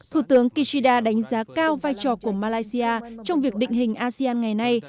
thủ tướng kishida đánh giá cao vai trò của malaysia trong việc định hình asean ngày nay